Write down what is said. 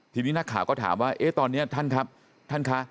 ทีนี้นักข่าวก็ถามว่าเอ๊ะตอนนี้ท่านครับท่านคะ